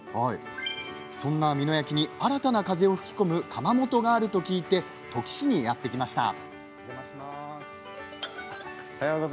そんな美濃焼に新たな風を吹き込む窯元があると聞いて土岐市にやって来ました。